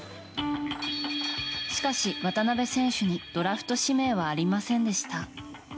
しかし、渡邊選手にドラフト指名はありませんでした。